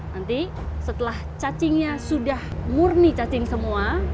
nanti setelah cacingnya sudah murni cacing semua